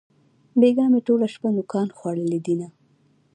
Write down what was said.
بېگاه مې ټوله شپه نوکان خوړلې دينه